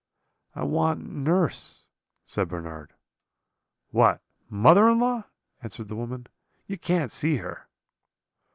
"'I want nurse,' said Bernard. "'What, mother in law?' answered the woman; 'you can't see her.'